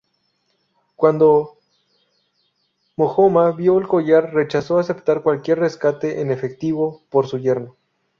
Cuándo Mahoma vio el collar, rechazó aceptar cualquier rescate en efectivo por su yerno.